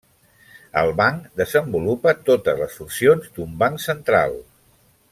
El Banc desenvolupa totes les funcions d'un banc central.